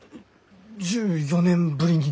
１４年ぶりに？